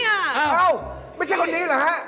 เอ้าไม่ใช่คนนี้เหรอฮะ